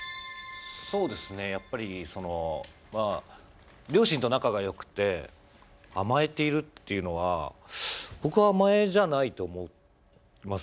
やっぱり、両親と仲がよくて甘えているっていうのは僕は甘えじゃないと思います。